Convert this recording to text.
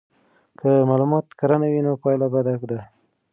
که معلومات کره نه وي نو پایله بده ده.